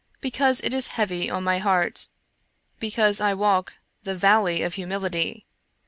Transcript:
Because it is heavy on my heart. Because I walk the Valley of Humility.